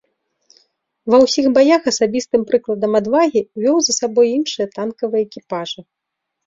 Ва ўсіх баях асабістым прыкладам адвагі вёў за сабой іншыя танкавыя экіпажы.